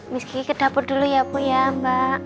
miss kiki ke dapur dulu ya bu ya mbak